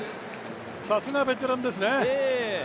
さすが、ベテランですね。